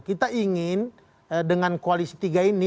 kita ingin dengan koalisi tiga ini